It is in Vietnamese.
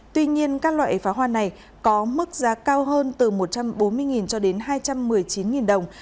tuy nhiên các loại pháo hoa này có mức giá cao hơn từ một trăm bốn mươi cho đến hai trăm một mươi chín đồng